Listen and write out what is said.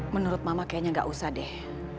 menurut mama kayaknya gak usah deh